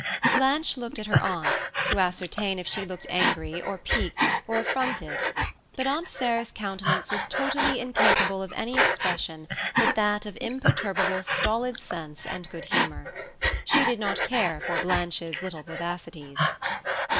Blanche looked at her aunt to ascertain if she looked angry, or piqued, or affronted; but Aunt Sarah's countenance was totally incapable of any expression but that of imperturbable stolid sense and good humour. She did not care for Blanche's little vivacities.